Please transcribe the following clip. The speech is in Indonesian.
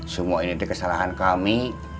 semua ini kesalahan kami